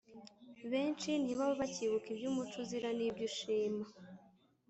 benshi ntibaba bakibuka ibyo umuco uzira n’ibyo ushima.